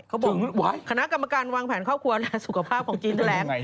คณะกรรมการวางแผนครอบครัวและสุขภาพของจีนแถลง